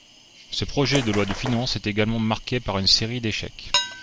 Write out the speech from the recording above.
Ce projet de loi de finances est également marqué par une série d’échecs.